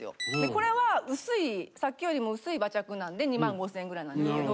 これは薄いさっきよりも薄い馬着なんで２万５０００円ぐらいなんですけど。